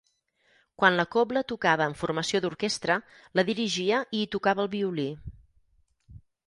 Quan la cobla tocava en formació d'orquestra, la dirigia i hi tocava el violí.